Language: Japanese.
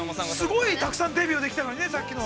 ◆すごいたくさんデビューできたのにね、さっきの。